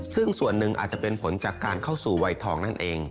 ซึ่งส่วนหนึ่งอาจจะเป็นผลจากการเข้าสู่วัยทองนั่นเอง